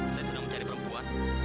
saya sedang mencari perempuan